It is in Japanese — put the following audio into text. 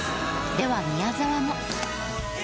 では宮沢も。